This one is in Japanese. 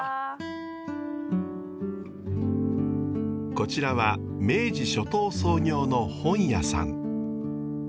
こちらは明治初頭創業の本屋さん。